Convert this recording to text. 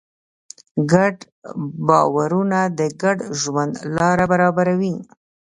ګډ باورونه د ګډ ژوند لاره برابروي.